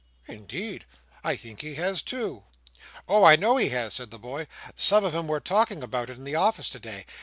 "Indeed I think he has too." "Oh! I know he has," said the boy. "Some of 'em were talking about it in the office today.